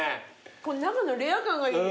この生のレア感がいい。